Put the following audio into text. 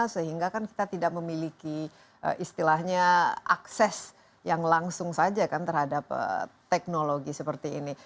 sehingga kan kita tidak memiliki istilahnya akses yang langsung saja kan terhadap teknologi seperti ini